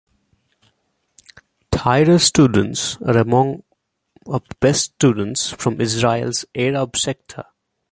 Tira's students are among of the best students from Israel's Arab sector.